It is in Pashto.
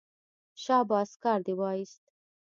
شاباس کار دې وایست.